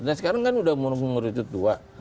nah sekarang kan udah menurut tua